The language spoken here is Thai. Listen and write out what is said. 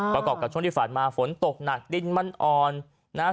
ประกอบกับช่วงที่ผ่านมาฝนตกหนักดินมันอ่อนนะครับ